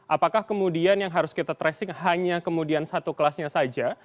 apakah kemudian yang harus kita tracing hanya kemudian satu kelasnya saja